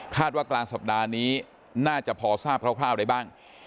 ว่ากลางสัปดาห์นี้น่าจะพอทราบคร่าวได้บ้าง